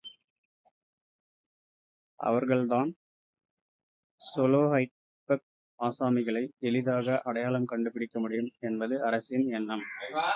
அவர்கள்தான் ஸோலொஹெட்பக் ஆசாமிகளை எளிதாக அடையாளம் கண்டு பிடிக்க முடியும் என்பது அரசின் எண்ணம்.